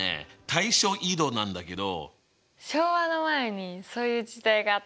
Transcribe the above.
対称移動なんだけど。